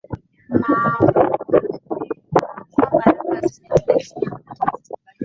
ma aokoa baraza la seneti lakini apoteza